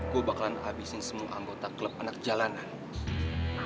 gue bakalan habisin semua anggota klub anak jalanan